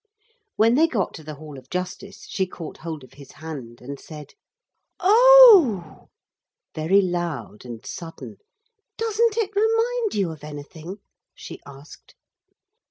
When they got to the Hall of Justice, she caught hold of his hand, and said: 'Oh!' very loud and sudden, 'doesn't it remind you of anything?' she asked.